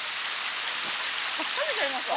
あっ食べちゃいました。